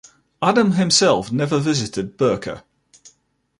Adam himself never visited Birka.